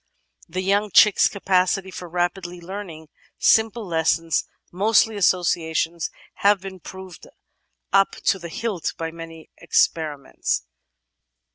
The young chick's capacity for rapidly learning simple lessons, mostly associations, has been proved up to the hilt by many experiments.